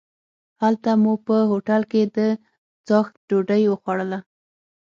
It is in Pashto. هلته مو په هوټل کې د څاښت ډوډۍ وخوړله.